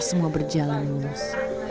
semua berjalan lulus